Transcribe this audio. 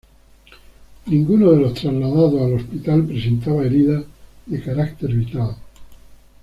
Ninguno de los trasladados al hospital presentaba heridas de carácter vital.